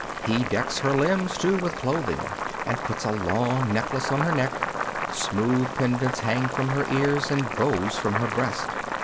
He decks her limbs, too, with clothing, and puts a long necklace on her neck. Smooth pendants hang from her ears, and bows from her breast.